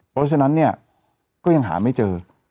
เพราะฉะนั้นเนี่ยก็ยังหาไม่เจอ